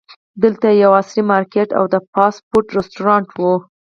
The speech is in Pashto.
دلته یو عصري مارکیټ او د فاسټ فوډ رسټورانټ و.